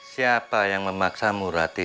siapa yang memaksamu rati